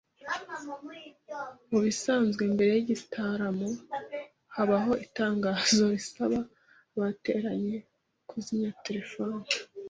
Mubisanzwe mbere yigitaramo habaho itangazo risaba abateranye kuzimya terefone